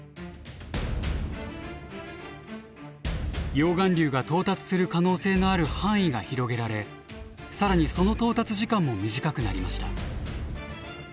溶岩流が到達する可能性のある範囲が広げられ更にその到達時間も短くなりました。